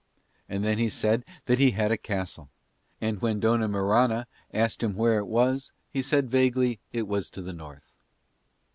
And then he said that he had a castle; and when Dona Mirana asked him where it was he said vaguely it was to the North.